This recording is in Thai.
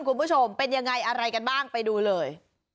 คุณผู้ชมเป็นยังไงอะไรกันบ้างไปดูเลย